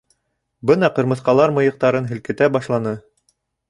Бына ҡырмыҫҡалар мыйыҡтарын һелкетә башланы.